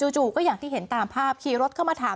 จู่ก็อย่างที่เห็นตามภาพขี่รถเข้ามาถาม